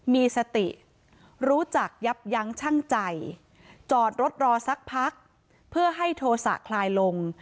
มีสติรู้จักยับยั้งชั่งใจจอดรถรอสักพักเพื่อให้โทษะคลายลง